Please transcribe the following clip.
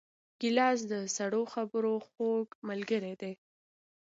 ګیلاس د سړو خبرو خوږ ملګری دی.